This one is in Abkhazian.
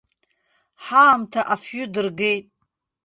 Ҳаамҭа афҩы дыргеит!